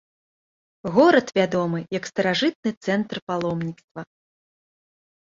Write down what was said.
Горад вядомы як старажытны цэнтр паломніцтва.